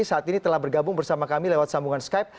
saat ini telah bergabung bersama kami lewat sambungan skype